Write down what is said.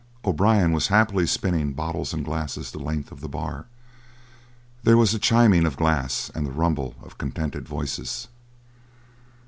O'Brien was happily spinning bottles and glasses the length of the bar; there was the chiming of glass and the rumble of contented voices.